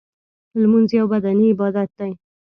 لمونځ یو بدنی عبادت دی .